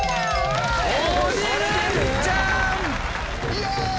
イェーイ！